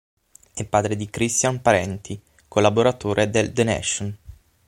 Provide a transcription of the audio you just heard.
È padre di Christian Parenti, collaboratore del "The Nation".